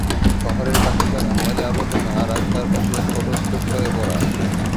শহরের বাসিন্দারা ময়লা-আবর্জনা রাস্তার পাশে ছোট স্তূপ করে পোড়ায়।